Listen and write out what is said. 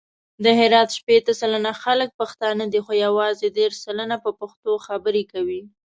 د هرات شپېته سلنه خلګ پښتانه دي، خو یوازې دېرش سلنه په پښتو خبري کوي.